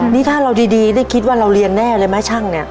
นี่ถ้าเราดีได้คิดว่าเราเรียนแน่เลยไหมช่างเนี่ย